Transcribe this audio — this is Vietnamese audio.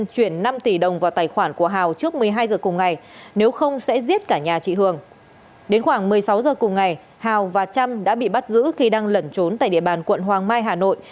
đến khoảng một mươi sáu giờ cùng ngày hào và trăm đã bị bắt giữ khi đang lẩn trốn tại địa bàn quận hoàng mai hà nội